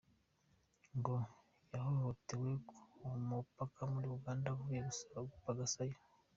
Ngo yahohotewe ku mupaka muri Uganda avuye gupasaga yo.